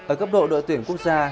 ở cấp độ đội tuyển quốc gia